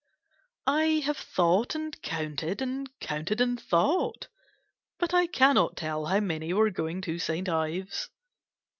I have thought and counted, and counted and thought, but I cannot tell how many were going to St. Ives.